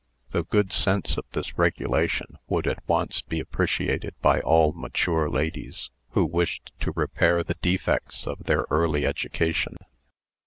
The good sense of this regulation would at once be appreciated by all mature ladies who wished to repair the defects of their early education.